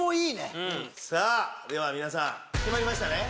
では皆さん決まりましたね？